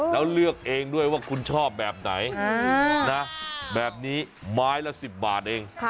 แล้วเลือกเองด้วยว่าคุณชอบแบบไหนนะแบบนี้ไม้ละ๑๐บาทเอง